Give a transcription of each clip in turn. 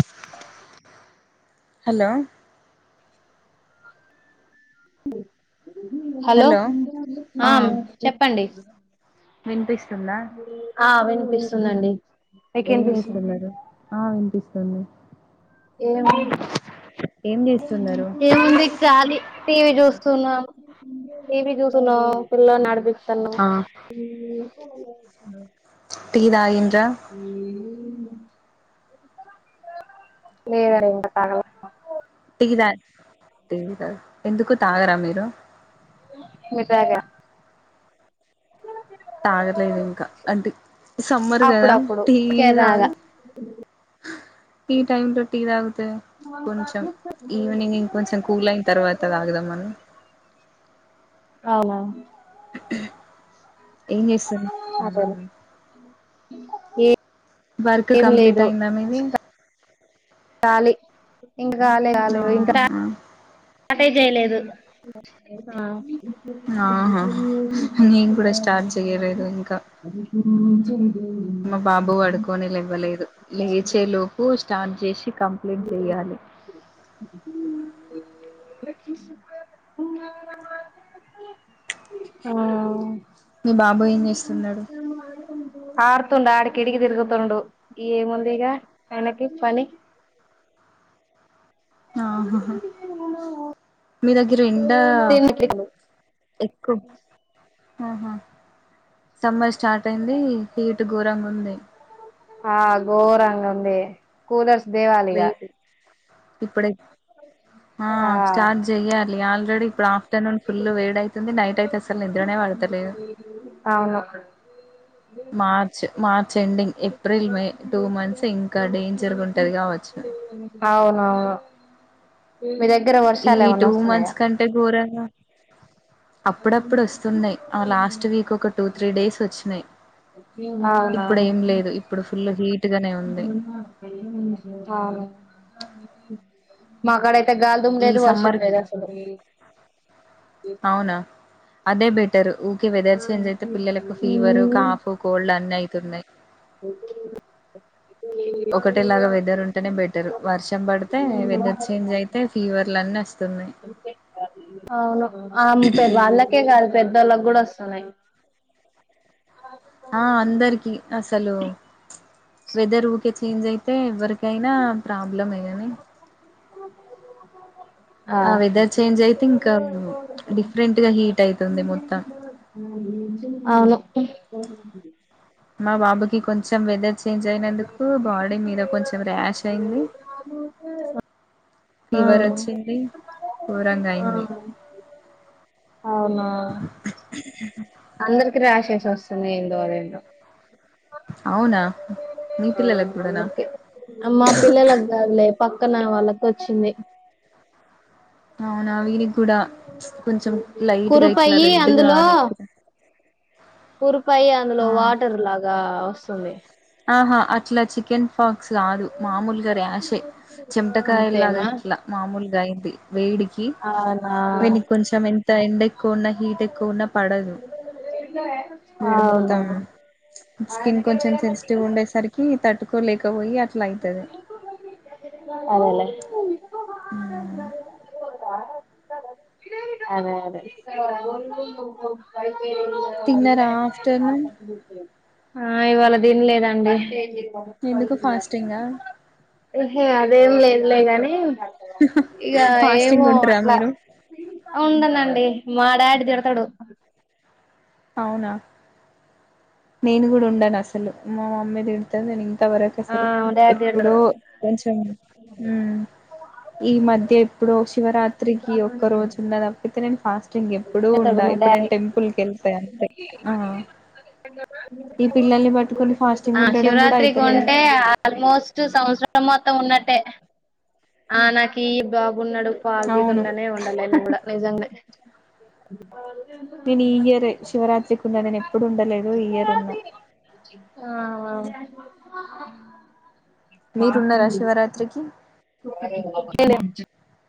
హ హలో. అ హలో ఆ ఆమ్ చెప్పండి. వినిపిస్తుందా ఆ వినిపిస్తుందండి. ఏం చేస్తున్నారు, ఆ వినిపిస్తుంది. ఏం చేస్తున్నారు ఏముంది ఖాళీ. టీవీ చూస్తున్నామ్, టీవి చూస్తున్నా పిల్లని నడిపిస్. తను. ఆ టి తాగిం. ఊమ్. [unintelligible] ఇదా ఎందుకు తాగరా మీరు. నే తాగా. తాగలేదు ఇంకా అంటే, సమ్మర్ గదా అప్పుడప్పుడు టి ఊరికే తగ్. తాగా ఈ టైం జు. తే కొంచం, ఈవినింగ్ ఇంక కొంచం కూల్ అయిన తర్వాత తాగదాం మనీ. [unintelligible] అవునా. ఎం జెస్తారు. అసలు ఏ. వర్క్ ఏం కంప్లీట్ అయిందా మీది. కాలి ఇంకా కాలే కాలే ఇంకా. ఆహా అటే జెయలేదు. [inaudible] ఆహా నేను కూడా స్టార్ట్ చేయలేదు ఇంకా మా బాబు వడుకొని ఇవ్వలేదు, లేచే లోపు సు. స్టార్ట్ చేసి కంప్లైంట్ జెయాలి. [unintelligible] [inaudible] మీ బాబు ఏం చేస్తున్నాడు ఆడుతుండు ఆడికిడికి తిరుగుతుండు, ఏముంది ఇగ, ఆయనకి పని. [unintelligible] ఆహాహా. మీ దగ్గర ఎండా, తిండి ఎక్కు. ఆహా సమ్మర్ స్టార్ట్ అయింది, హీట్ ఘోరంగా ఉంది. ఆ గోరంగ ఉంది, కూలర్స్ దేవాలిగా. వేడి ఇప్పుడే ఆ స్టార్ట్ జెయ్యాలి ఆల్రెడీ ఇప్పుడు ఆఫ్. ఆఫ్టర్నూన్ ఫుల్ వేడ్ అవుతుంది, నైట్ అయితే అసలు నిద్రనే వాడతలేదు. అవును March, March ending, April May, two months ఇంకా డేంజర్ గుంటది గవచ్చు. అవునవును. మీ దగ్గర ఈ వర్షాలు ఏమన్నా టూ వస్తున్నాయా మంత్స్ కంటే గోరంగా అప్పుడప్పుడు వస్తున్నాయి్ ఆ లాస్ట్ వీక్ ఒక టూ త్రీ డేస్ వచ్చినాయి ఇప్పుడ ఏం లేదు ఇప్పుడు ఫుల్ హీట్ గానే ఉంది మాక్కడ తే గాల దుమ ఈ లేదు వర్షం సమ్మర్ లేదు అసలు అవునా అదే బెటర్ ఊరికే వెదర్ చేంజ్ అయితే పిల్లలకు ఫీవరు కాఫ్ కోల్డ్ అన్ని అయి తిన్నయి ఒకటేలాగా వెదర్ ఉంటేనే బెటర్ వర్షం పడితే వెదర్ చేంజ్ అయితే ఫీవర్లు అన్నిీ వస్తాయి అవును ఆమె పేరు వాళ్ళకే కాదు పెద్దళ్ళకి కూడా వస్తున్నాయి ఆ అందరికి అసలు వెదర్ ఊరికే చేంజ్ అయితే ఎవరి ఇకైనా ప్రాబ్లం ఏదని హా ఆ వెదర్ చేంజ్ అయితే ఇంకా డిఫరెంట్ గా హీట్ అయితుంది మొత్తం అవును మా బాబుకి కొంచెం వెదర్ చేంజ్ అయినందుకు బాడీ మీద కొంచెం ర్యాష్ అయింది ఆ ఫీవర్ వచ్చింది ూరంగా అయింది అవునా అందరికి విశ్వసనే ఎంతో అరేండ అవునా మీ పిల్లలకు కూడానా అమ్మా పిల్లలగాలే పక్కన వాళ్ళకు వచ్చింది అవునా విరి కూడా కొంచెం లైట్గా ఇట్లా కురుపయి రెడ్గా అని కూరిపాయి అందులో వాటర్ లాగా వస్తుంది ఆహా అట్లా చికెన్ ఫాక్స్ కాదు మామూలుగా ర్యాషే చెమటకాయలాగా అంతేనా ఇట్లా మామూలుగా అయింది వేడికి అవునా వీని కొంచెం ఎంత ఎండ ఎక్కువ ఉన్నా హీట్ ఎక్కువవున్నా పడదు వీడు మొత్తం స్కిన్ కొంచెం సెన్సిటివ్ ఉండే అేసరికి తట్టుకోలేకపోయి అయితది అదేలా అదే అదే ఇ తిన్నారా ఆఫ్టర్నూన్ ఆ ఇవాళ దీన్లేదండి నే ఎందుకు ఫాస్టింగా హే అదేం లేదులేగాని ఇక ఫాస్టింగ్ ఏమో ఉంటరా అట్లా మీరు ఉందనండి మా డాడీ తిడతారు అవునా నేను కూడా ఉండాను అసలు మా మామ్మీ తిడుతంది నేను ఇంత వరకు ఆ అసలు మా డాడీ ఎప్పుడో తిడతాడు కొంచెం ఈ మధ్య ఇప్పుడు శివరాత్రికి ఒక్క రోజు ఉన్న తప్పితే నేను ఫాస్టింగ్ ఎప్పుడుూ ఇతడు ఉండా మా ఇప్పుడు డాడీ నేను టెంపుల్ కి వెళ్తాను ఈ పిల్లల్ని పట్టుకొని ఫాస్టింగ్ ఆ ఉండడం కూడా శివరాత్రికి అయితలేదు ఉంటే ఆల్మోస్ట్ సంవత్సరలు మొత్తం ఉన్నట్టే ఆ నాకు బాబున్నాడు పాతదు అవును ఉండనే ఉండలే న కూడా నిజంగా అ నేను ఈ ఇయర్ శివరాత్రికి ఉన్నా నేను ఎప్పుడు ఉండలేదు ఈ ఇయర్ ఉన్నా మీరున్నారా ప్యాసింజర్ శివరాత్రికి [unintelligible]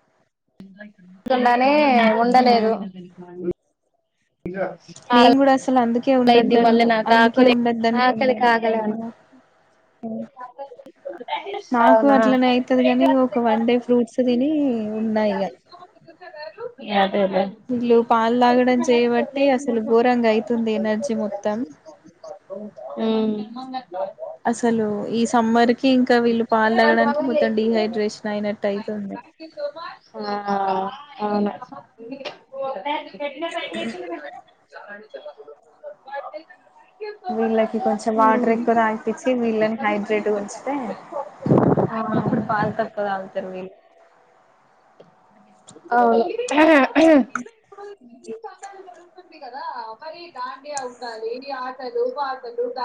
కూర్చుందనే ఆ ఉండలేదు నేను ఆకలి కూడా అసలు అందుకే అయిద్ది మళ్ళీ ఉండదునుకు నాకు అందుకే ఆకలి ఉండొద్దు ఆకలి అనుకున్నాను కాకలే అను అ నాకు అవునా అట్లనే అయితది కానీ ఒక వన్ డే ఫ్రూట్స్ తిని ఉన్నా ఇగ యా వీళ్ళు పాలుతాగడం చేయబట్టి అసలు ఘోరంగా అయితుంది ఎనర్జీ మొత్తం ఉమ్ [unintelligible] అసలు ఈ సమ్మర్ కి ఇంకా వీళ్ళు పాలు తాగడానికి మొత్తం డిహైడ్రేషన్ అయినట్టు అయితుంది ఆ అవును [inaudible] [inaudible] వీళ్ళకి కొంచెం వాటర్ ఎక్కువ తాగిపించి వీళ్ళని హైడ్రేట్గా ఉంచితే అప్పుడు పాలు తక్కువ తాగుతరువీళ్ళు అవును [inaudible] కదా అ మరి దాండియా అవుతాది ఆటలు పాటలు [inaudible]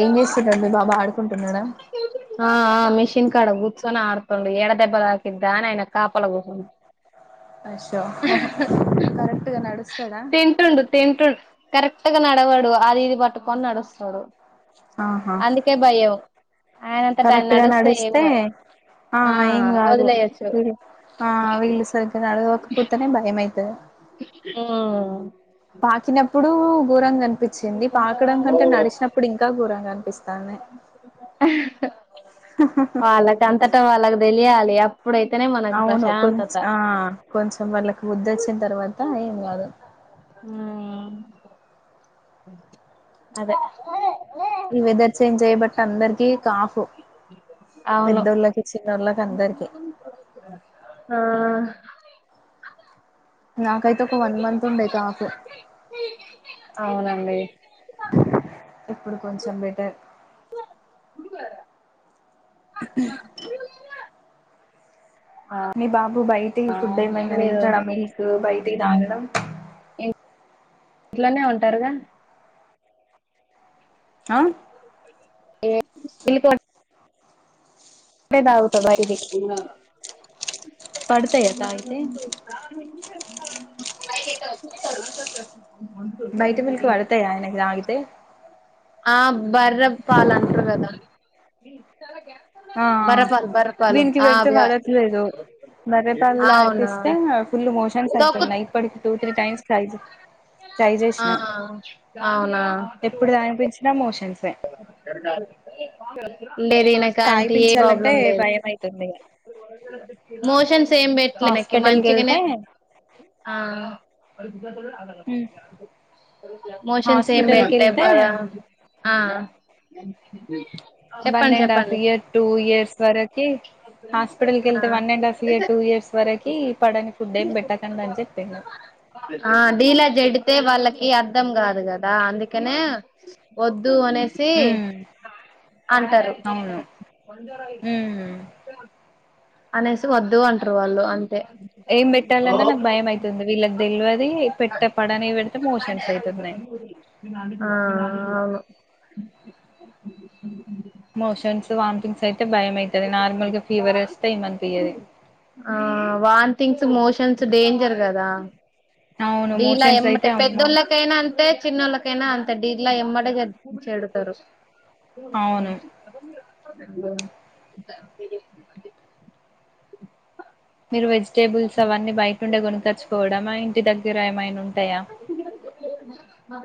ఏం చేస్తున్నాడు మీ బాబా ఆడుకుంటున్నాడా ఆ ఆ మిషన్ కాడ కూర్చొని అడత తుండు ఏడా దెబ్బ తాకిద్దా అని ఆయన కాపాల గుసుండు అయ్యో కరెక్ట్గా నడుస్తూ తింటుండు తింటుండు కరెక్ట్ గా నడవడు అది ఇది పట్టుకొని నడుస్తాడు అందుకే భయం ఆయనంతట ఆయన కరెక్ట్గా నడుస్తే ఏం నడిస్తే కాదు ఆ ఏం కాదు వదిలేయచ్చు ఆ వీళ్ళు సరిగ్గా నడవకపోతేనే భయం అవుతుది ఆ పాకినప్పుడు గోరంగా అనిపించింది పాకడం కంటే నడిచినప్పుడు ఇంకా గోరంగా అనిపిస్తాంది వాళ్ళగంతట వాళ్ళకు అవును కొంచ ఆ కొంచెం వాళ్ళకి బుద్దొచ్చిన తర్వాత ఏం కాదు ఉమ్ అదే ఈ వెదర్ చేంజ్ అయ్యే బట్టి అందరికి కాఫ్ అవును పెద్దోళ్ళకి చిన్నోళ్లకి అందరికి ఆ నాకైతే ఒక వన్ మంత్ ఉండే కాఫ్ అవునండి ఇప్పుడు కొంచెం బెటర్ [inaudible] మీ బాబు బయటియి ఫుడ్ ఏమైనా మీరు తింటాడ మిల్క్ బయటియి తాగడం ఇంట్లోనే ఉంటారుగా ఆ ఏ సిలికోమ్ ఇప్పుడే తాగుతా వైది పడతాయా తాగితే [inaudible] [inaudible] బయట మిల్క్ పడతాయా ఆయనకి తాగితే ఆ బర్ర పాలంటారు కదా ఆ ఆ బర్రపాలు బర్రపాలు వినికి ఆ పెడితే అవి పడట్లేదు బర్రెపల్ అవునా తగిపిస్తే ఫుల్ మోషన్స్ తొక్కు అవుతున్నాయి ఇప్పటికి టూ త్రీ టైమ్స్ ట్రై చే ట్రై ఆ చేసినా అవునా ఎప్పుడు దానిపించినా మో లేదు ఈనక అంట ఏ తాగిపించాలంటే ప్రాబ్లం లేదు భయం అయితుంది ఇగ మోషన్స్ ఏం పెట్టలేనకి హాస్పిటల్కి మంచిగానే వెళ్తే ఆ మోషన్ సేమ్ హాస్పిటల్కి పెట్ట వెళ్తే ఆ వన్ చెప్పండి అండ్ హాఫ్ చెప్పండి ఇయర్ టూ ఇయర్స్ వరకి హాస్పిటల్ క వెళ్తే one and half year two years వరకు పడని ఫుడ్ ఏమి పెట్టకండా అని చెప్పిడు ఆ ఢీలా చెడితే వాళ్ళకి అర్థం కాదు కదా అందుకనే వద్ దూ అనేసి ఉమ్ అంటారు అవును ఉమ్ అనేసి వద్దు అంటారు వాళ్ళు అంతే ఏం పెట్టాలన్నా నాకు భయం అయితుంది వీళ్ళకి తెలియది పెట్ట పడనివి పెడితే మోషన్స్ అవుతున్నాయి ఆ అవును మోషన్స్ వామిటింగ్స్ అయితే భయ అవుతది నార్మల్ గా ఫీవర్ వస్తే ఏమనిపియది ఆ వాన్ థింగ్స్ మోషన్స్ డేంజర్ కదా అవును ఢీలా మోషన్స్ ఎమట అయితే అమ్మో పెద్దోళ్ళకైనా అంతే చిన్నోళ్ళకి కైనా అంత డీల్లా ఎమ్మడగాడతారు అవును మీరు వెజిటేబుల్స్ అవన్నీ బయటండే గుణకచుకోవడమా ఇంటి దగ్గర ఏమైనా ఉంటా మ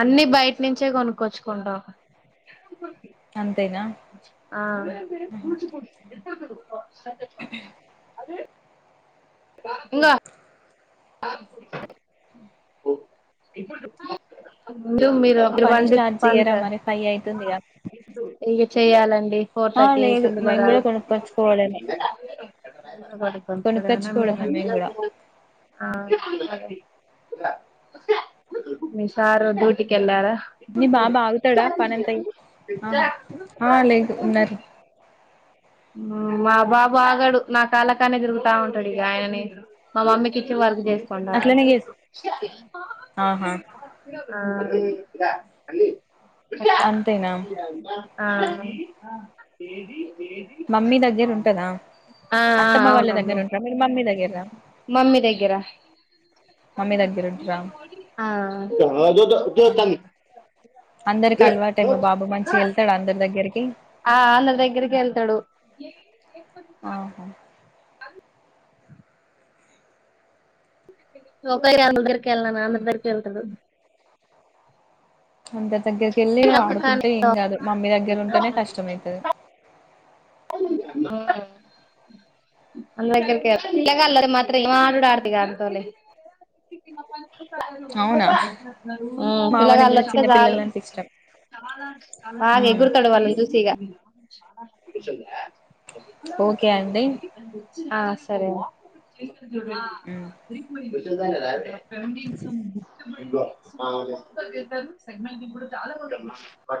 అన్నిీ బయట నుంచే కొనుక్కోచ్చుకుంటా అ అదే నా ఇంగో ముందు మీరు ఒకరు పని పండి స్టార్ట్ పంట చెయ్యరా మరి ఫైవ్ అయితుందిగా ఇక చెయ్యాలండి ఫోర్ ఆ థర్టీ లేదు అతుంది మేము బగా కూడా కొనుక్కొచ్చుకోవడమే కొనుక్కొచ్చుకోవడమే మేము కూడా డ మీ మీసార్ డ్యూటికి ఎలార నీ బాబు ఆగుతాడా పనంత ఆహా ఆ లేదు ఉన్నారు మా బాబా ఆగాడు నా కాళ్ళ కానే తిరుగుతా ఉంటాడు ఇక ఆయనని మా మమ్మీకి ఇచ్చి వర్క్ చేస్త అట్లనే చేస్ ఆహా అ ఇద అంతేనా అ మమ్మీ దగ్గర ఉంటదా ఆ ఆ అత్తమ్మ వాళ్ళ అవునండి దగ్గర ఉంటందా మీరు మమ్మీ దగ్గర మమ్మీ దగ్గర మమ్మీ దగ్గర ఉంటరా ఆ అందరికి అలవాట ఏమో బాబు మంచి వెళ్తాడు అందరి దగ్గరికి ఆ అంద దగ్గరికి వెళ్తాడు ఆహ ఒకకా అంద దగ్గరికి వెళ్ళనా అందరి దగ్గకి వెళ్తదు అంతరి దగ్గరకి వెళ్ళి ఒక్క కాని ఆడుకుంటే ఏం కాదు మమ్మీ దగ్గర ఉంటేనే కష్టంమవుతుది అ దగ్గరక ఇ మాత్ర ప్రార్థగా అతోలే అవునా పిలా మావని గాల కూడా చిన్న పిల్లలంటే ఇష్టం అే మ్మ్ గుర్కడవాల దూసీగా ఓకే అండి ఆ సరే మ్మ్ అం సంట్ చాలా. [inaudible]